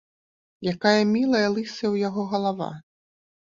Якая мілая лысая ў яго галава!